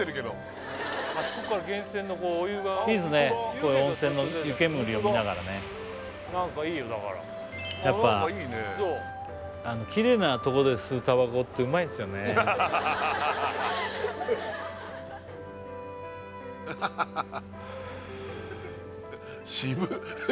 この温泉の湯けむりを見ながらねやっぱきれいなとこで吸うたばこってうまいんですよねははははは！